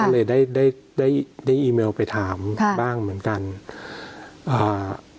ก็เลยได้ได้ได้ได้อีเมลไปถามค่ะบ้างเหมือนกันอ่า